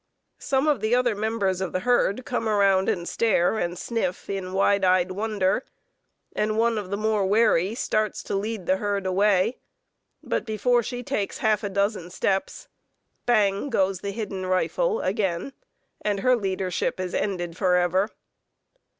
Some of the other members of the herd come around her and stare and sniff in wide eyed wonder, and one of the more wary starts to lead the herd away. But before she takes half a dozen steps "bang!" goes the hidden rifle again, and her leadership is ended forever.